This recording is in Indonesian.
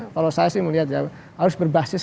kalau saya sih melihat ya harus berbasis